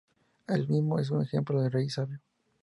Él mismo es un ejemplo de rey sabio.